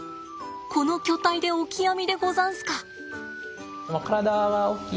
この巨体でオキアミでござんすか。